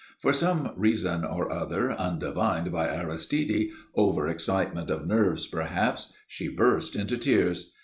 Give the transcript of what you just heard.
For some reason or other, undivined by Aristide over excitement of nerves, perhaps she burst into tears.